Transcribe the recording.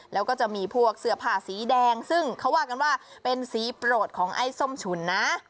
แล้วก็จะมีพวกเสื้อผ้าสีแดงซึ่งเขาว่ากันว่าเป็นสีโปรดของไอ้ส้มฉุนนะ